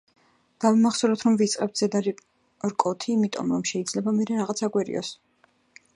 დავიმახსოვროთ, რომ ვიწყებთ ზედა რკოთი იმიტომ, რომ შეიძლება მერე რაღაც აგვერიოს.